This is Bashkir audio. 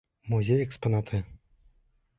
Музей экспонаты!